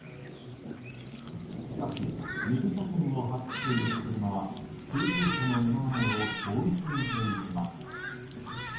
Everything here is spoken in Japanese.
しかし、右車線を走っている車は救急車の目の前を通り過ぎていきます。